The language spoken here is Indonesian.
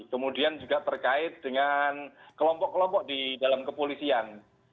kemudian juga terkait dengan kelompok kelompok di dalam kepolisian